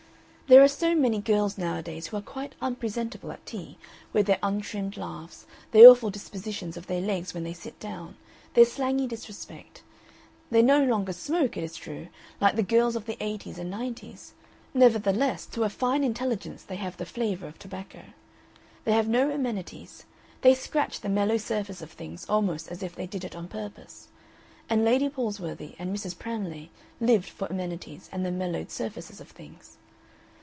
There are so many girls nowadays who are quite unpresentable at tea, with their untrimmed laughs, their awful dispositions of their legs when they sit down, their slangy disrespect; they no longer smoke, it is true, like the girls of the eighties and nineties, nevertheless to a fine intelligence they have the flavor of tobacco. They have no amenities, they scratch the mellow surface of things almost as if they did it on purpose; and Lady Palsworthy and Mrs. Pramlay lived for amenities and the mellowed surfaces of things.